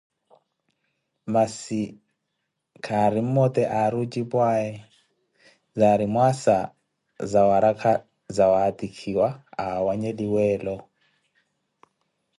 Masi khaari mmote aari ocipwaawe, zaari mwaasa zawarakha zawatikhiwa awanyeliweelo.